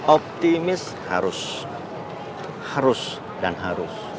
optimis harus harus dan harus